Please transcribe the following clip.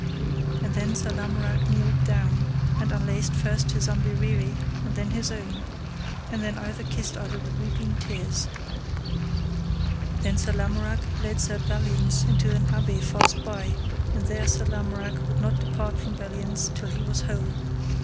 And then Sir Lamorak kneeled down, and unlaced first his umberere, and then his own, and then either kissed other with weeping tears. Then Sir Lamorak led Sir Belliance to an abbey fast by, and there Sir Lamorak would not depart from Belliance till he was whole.